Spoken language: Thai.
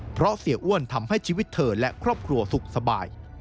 เพราะเสียอ้วนทำให้ชีวิตเธอและครอบครัวสุขสบาย